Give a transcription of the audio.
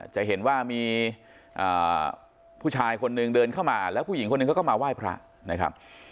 จะเห็นว่ามีผู้ชายคนหนึ่งเดินเข้ามาแล้วผู้หญิงคนหนึ่งเขาก็มาไหว้พระนะครับ